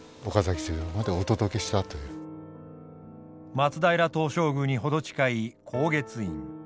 松平東照宮に程近い高月院。